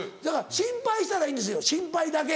心配したらいいんですよ心配だけ。